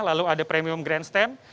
lalu ada premium grandstand